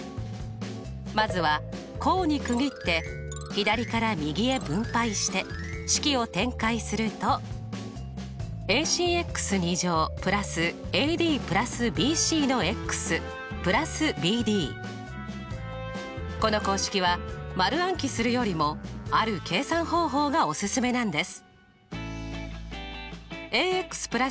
まずは項に区切って左から右へ分配して式を展開するとこの公式は丸暗記するよりもある計算方法がオススメなんです。